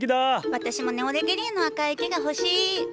私もネオレゲリアの赤い池がほしい！